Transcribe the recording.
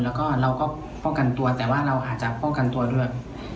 แล้วก็เราก็ป้องกันตัวแต่ว่าเราอาจจะป้องกันตัวด้วย